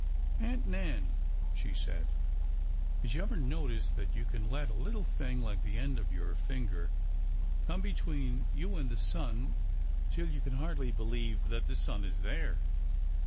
Aunt Nan,'' she said, did you ever notice that you can let a little thing like the end of your finger come be tween you and the sun till you can hardly believe that the sun is there